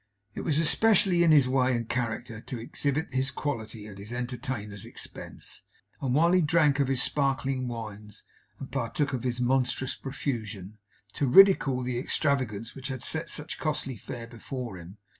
It was especially in his way and character to exhibit his quality at his entertainer's expense; and while he drank of his sparkling wines, and partook of his monstrous profusion, to ridicule the extravagance which had set such costly fare before him.